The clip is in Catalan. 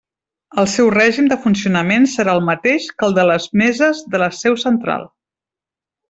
El seu règim de funcionament serà el mateix que el de les meses de la seu central.